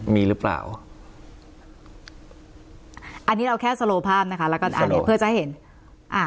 มีหรือเปล่าอันนี้เราแค่สโลภาพนะคะแล้วก็อันนี้เพื่อจะให้เห็นอ่า